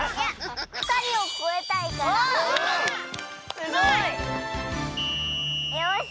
すごい！よし！